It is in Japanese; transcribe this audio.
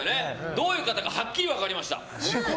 どういう方かはっきり分かりました。